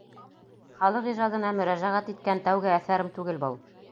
Халыҡ ижадына мөрәжәғәт иткән тәүге әҫәрем түгел был.